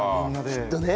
きっとね。